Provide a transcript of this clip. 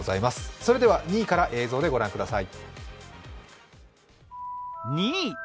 それでは２位から映像でご覧ください。